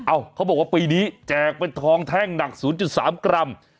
เขาบอกว่าปีนี้แจกเป็นทองแท่งหนัก๐๓กรัม